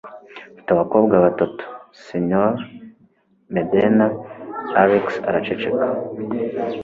Ufite abakobwa batatu, Señor Medena" Alex araceceka.